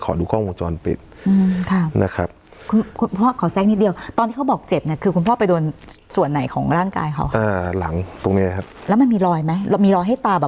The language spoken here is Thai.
คุณพ่อขอแซกนิดเดียวตอนที่เขาบอกเจ็บคุณพ่อไปโดนส่วนไหนของร่างกายครับ